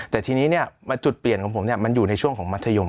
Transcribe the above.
แต่ทีนี้จุดเปลี่ยนของผมมันอยู่ในช่วงของมัธยม